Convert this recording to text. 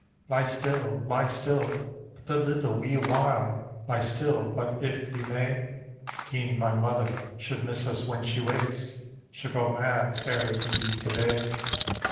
" Lie still, lie still but a little wee while. Lie still but if we may; Gin my mother should miss us when she wakes, She'll go mad ere it be the day.